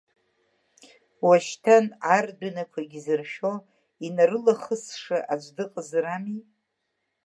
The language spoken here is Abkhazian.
Уашьҭан ардәынақәагьы зыршәо, инарылахысша аӡәы дыҟазар ами!